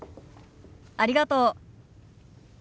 ありがとう。